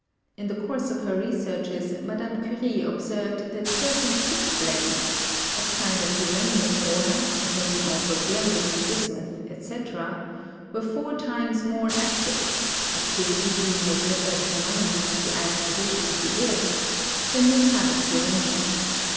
In the course of her researches Madame Curie observed that certain pitchblendes (oxide of uranium ore, containing also barium, bismuth, etc.) were four times more active (activity being measured by the phenomenon of the ionization of the air) than metallic uranium.